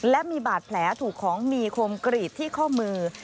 และมีบาดแผลถูกของมีคมกรีดที่ข้อมือ